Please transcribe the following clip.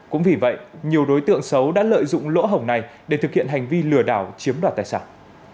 cũng vì vậy nhiều đối tượng xấu đã lợi dụng lỗ hồng này để thực hiện hành vi lừa đảo chiếm đoạt tài sản